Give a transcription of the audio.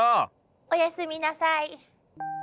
おやすみなさい。